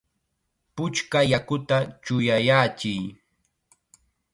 ¡Puchka yakuta chuyayachiy!